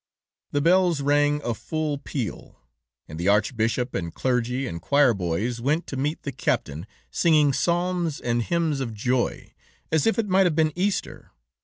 "The bells rang a full peal, and the archbishop and clergy and choir boys went to meet the Captain, singing psalms and hymns of joy, as if it might have been Easter.